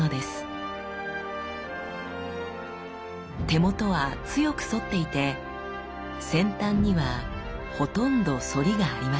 手元は強く反っていて先端にはほとんど反りがありません。